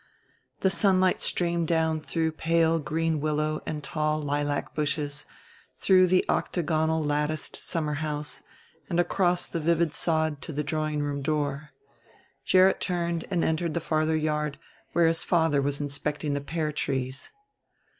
The sunlight streamed down through pale green willow and tall lilac bushes, through the octagonal latticed summerhouse and across the vivid sod to the drawing room door. Gerrit turned, and entered the farther yard, where his father was inspecting the pear trees.